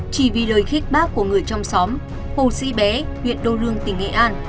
chỉ vì lời khích bác của người trong xóm hồ sĩ bé huyện đô lương tỉnh nghệ an